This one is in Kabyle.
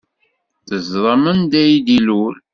Teẓṛam anda i d-ilul?